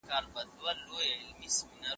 آيا يوازي سړي سر ګټه د پرمختګ لپاره کافي ده؟